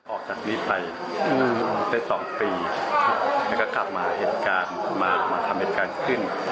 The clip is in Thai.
ออกจากนี้ไปได้๒ปีแล้วก็กลับมาเหตุการณ์มาทำเหตุการณ์ขึ้น